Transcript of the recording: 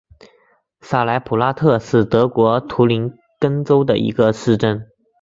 萨莱普拉特是德国图林根州的一个市镇。